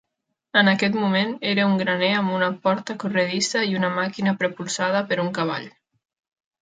En aquest moment era un graner amb una porta corredissa i una màquina propulsada per un cavall.